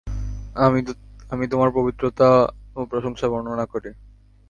আমি তোমার পবিত্রতা ও প্রশংসা বর্ণনা করি।